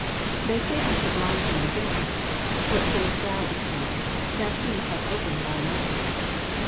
17 They say unto the blind man again. What sayest thou of Him, that he hath opened thine eyes?